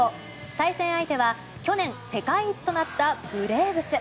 対戦相手は去年、世界一となったブレーブス。